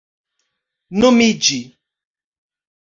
nomiĝi